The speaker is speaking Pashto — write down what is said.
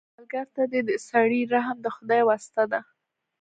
سوالګر ته د سړي رحم د خدای واسطه ده